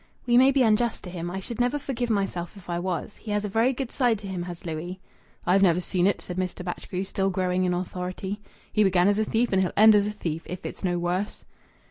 "We may be unjust to him. I should never forgive myself if I was. He has a very good side to him, has Louis!" "I've never seen it," said Mr. Batchgrew, still growing in authority. "He began as a thief and he'll end as a thief, if it's no worse."